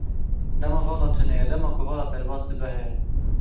Dema vala tune ye, dema ku vala derbas dibe heye.